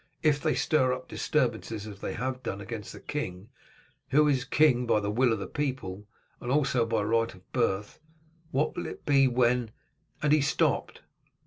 If they stir up disturbances, as they have done, against the king, who is king by the will of the people, and also by right of birth, what will it be when " and he stopped.